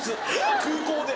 空港で！